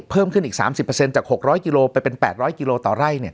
เพิ่มขึ้นอีก๓๐จาก๖๐๐กิโลไปเป็น๘๐๐กิโลต่อไร่